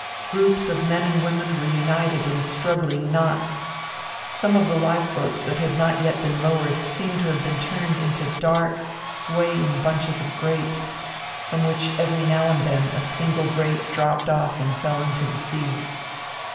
Groups of men and women were united in struggling knots. Some of the life boats that had not yet been lowered seemed to have turned into dark, swaying bunches of grapes, from which every now and then a single grape dropped off and fell into the sea.